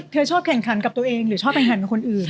เธอชอบแข่งขันกับตัวเองหรือชอบไปหันกับคนอื่น